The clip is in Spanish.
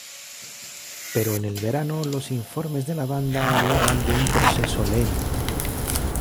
Pero en el verano los informes de la banda hablaban de un proceso lento.